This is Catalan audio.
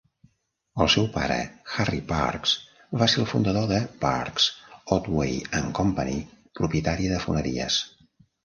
El seu pare, Harry Parkes, va ser el fundador de Parkes, Otway and Company, propietària de foneries.